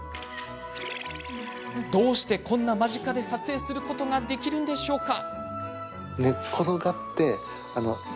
なぜこんな間近で撮影することができるんでしょうか。